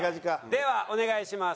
ではお願いします。